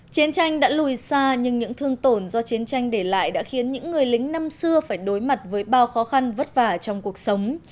chiến tranh đã lùi xa nhưng những thương tổn do chiến tranh để lại đã khiến những người lính năm xưa phải đối mặt với bao khó khăn vất vả trong cuộc sống